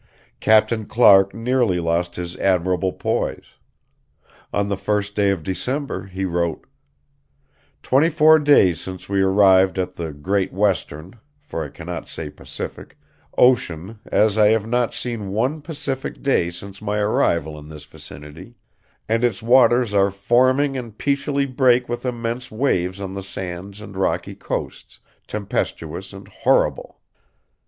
Captain Clark nearly lost his admirable poise. On the first day of December he wrote: "24 days since we arrived at the Great Western (for I cannot say Pacific) Ocian as I have not seen one pacific day since my arrival in this vicinity, and its waters are forming and petially breake with emence waves on the sands and rockey coasts, tempestous and horiable."